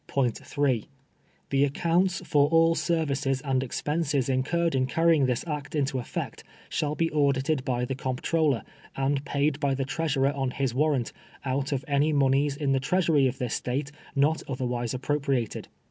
§ 3. Tlie accounts ll^r all ser\ices and expenses inciured in carrying this act uito etTect shall be audited by the Comptroller, and paid by the Treasurer on his warrant, out of any moneys in the ti easury of this State not otherwise appropriated.